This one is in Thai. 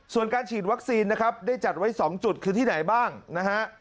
ส่วนการฉีดวัคซีนนะครับได้จัดไว้๒จุดคือที่ไหนบ้างนะฮะ